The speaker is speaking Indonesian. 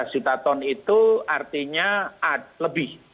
lima belas juta ton itu artinya lebih